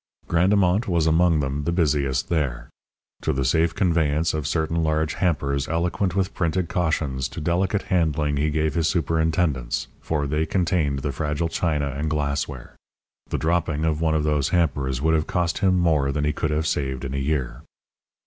Grandemont was among them, the busiest there. To the safe conveyance of certain large hampers eloquent with printed cautions to delicate handling he gave his superintendence, for they contained the fragile china and glassware. The dropping of one of those hampers would have cost him more than he could have saved in a year.